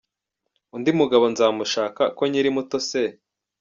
Undi mugabo nzamushaka, ko nkiri muto se!.